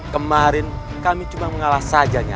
kemarin kami cuma mengalah saja nyai